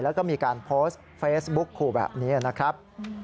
แล้วก็มีการโพสต์เฟซบุ๊คขู่แบบนี้นะครับ